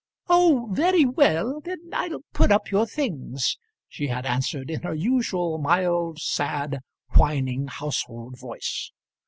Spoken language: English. "Oh, very well; then I'll put up your things," she had answered in her usual mild, sad, whining, household voice.